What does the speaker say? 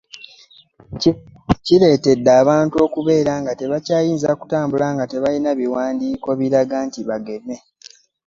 ekyeya kireetedde abantu okubeera nga tebakyayinza kutambula nga tebalina biwandiiko biraga nti bageme.